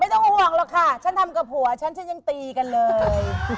ต้องห่วงหรอกค่ะฉันทำกับผัวฉันฉันยังตีกันเลย